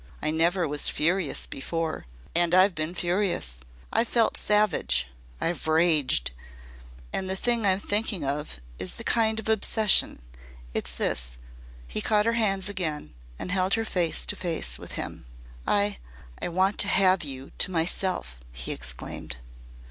I never was furious before and I've been furious. I've felt savage. I've raged. And the thing I'm thinking of is like a kind of obsession. It's this " he caught her hands again and held her face to face with him. "I I want to have you to myself," he exclaimed.